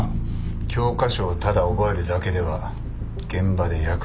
教科書をただ覚えるだけでは現場で役に立たない。